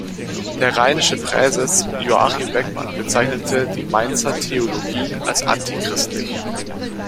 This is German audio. Der rheinische Präses Joachim Beckmann bezeichnete die Mainzer Theologie als antichristlich.